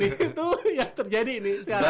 itu yang terjadi ini sekarang